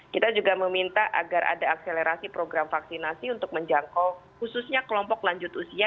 kita juga meminta agar ada akselerasi program vaksinasi untuk menjangkau khususnya kelompok lanjut usia